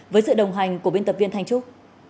với sự đồng hành của biên tập viên thanh trúc